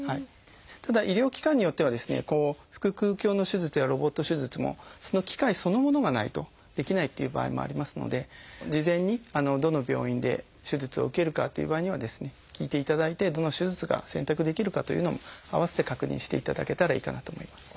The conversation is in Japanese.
ただ医療機関によってはですね腹腔鏡の手術やロボット手術もその機械そのものがないとできないっていう場合もありますので事前にどの病院で手術を受けるかという場合にはですね聞いていただいてどの手術が選択できるかというのも併せて確認していただけたらいいかなと思います。